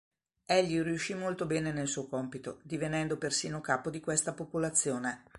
Egli riuscì molto bene nel suo compito, divenendo persino capo di questa popolazione.